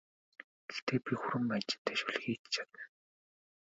Гэхдээ би хүрэн манжинтай шөл хийж чадна!